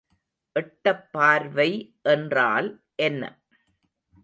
எட்டப்பார்வை என்றால் என்ன?